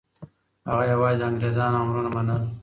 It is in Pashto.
هغه یوازې د انګریزانو امرونه منل.